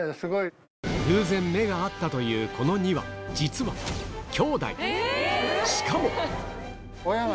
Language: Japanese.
偶然目が合ったというこの２羽実はしかも！